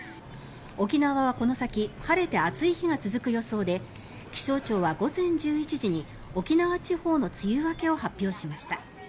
沖縄はこの先晴れて暑い日が続く予想で気象庁は午前１１時に沖縄地方の梅雨明けを発表しました。